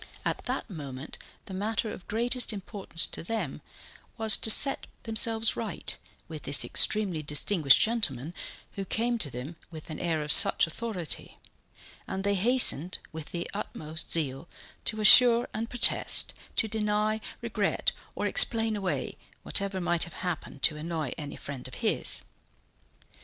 At that moment the matter of greatest importance to them was to set themselves right with this extremely distinguished gentleman, who came to them with an air of such authority; and they hastened with the utmost zeal to assure and protest, to deny, regret or explain away whatever might have happened to annoy any friend of his.